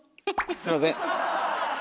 すいません。